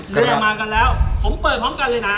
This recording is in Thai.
เนี่ยมากันแล้วผมเปิดพร้อมกันเลยนะ